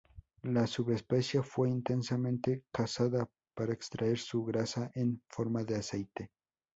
La subespecie fue intensamente cazada para extraer su grasa en forma de aceite.